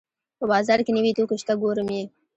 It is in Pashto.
په بازار کې نوې توکي شته ګورم یې